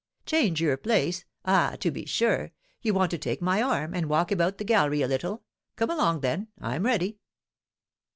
"Change your place! Ah, to be sure! You want to take my arm, and walk about the gallery a little; come along then, I'm ready."